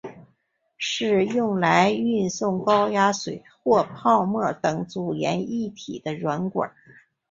是用来运送高压水或泡沫等阻燃液体的软管。